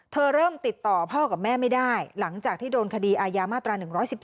เริ่มติดต่อพ่อกับแม่ไม่ได้หลังจากที่โดนคดีอายามาตรา๑๑๒